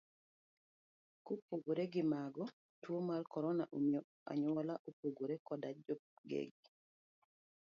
Kopogore gi mago, tuo mar korona omiyo anyuola opogore koda jogegi.